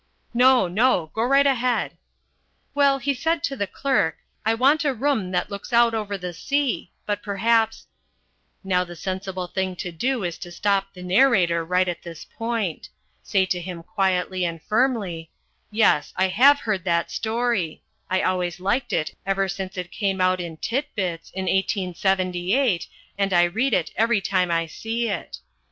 "No, no, go right ahead." "Well, he said to the clerk, 'I want a room that looks out over the sea' but perhaps " Now the sensible thing to do is to stop the narrator right at this point. Say to him quietly and firmly, "Yes, I have heard that story. I always liked it ever since it came out in Tit Bits in 1878, and I read it every time I see it.